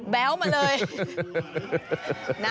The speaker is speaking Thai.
แววมาเลย